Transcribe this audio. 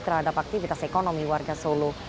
terhadap aktivitas ekonomi warga solo